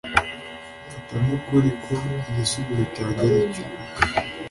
Mfata nkukuri ko igisubizo cyanjye ari cyo